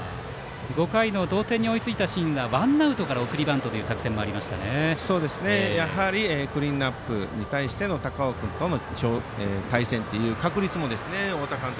５回の同点に追いついたシーンはワンアウトから送りバントという作戦もクリーンナップに対する高尾君との対戦という確率も太田監督